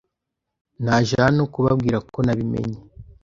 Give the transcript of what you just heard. Naje hano kubabwira ko nabimenye.